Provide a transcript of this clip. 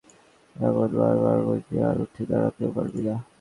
এমন মার মারবো যে আর উঠে দাঁড়াতেও পারবি না।